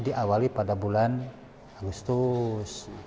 diawali pada bulan agustus